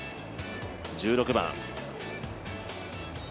１６番。